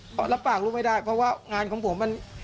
เพราะรับปากลูกไม่ได้เพราะว่างานของผมมัน